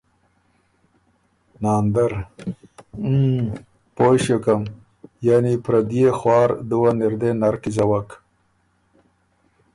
ناندر: اُوون۔۔۔ پویٛ ݭیوکم یعنی پرديې خوار دُوه نِر دې نر کی زوَک،